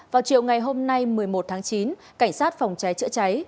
vào chiều ngày hôm nay một mươi một tháng chín cảnh sát phòng cháy chữa cháy